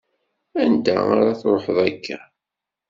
Anda ar ad tṛuḥeḍ akka?